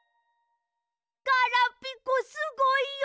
ガラピコすごいよ！